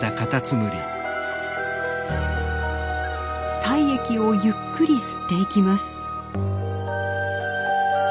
体液をゆっくり吸っていきます。